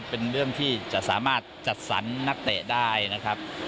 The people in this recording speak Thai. เป็นเรื่องที่จะสามารถจัดสรรนักเตะได้นะครับ